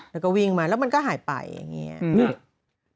แล้วก็วิ่งมาแล้วมันก็หายไปอย่างนี้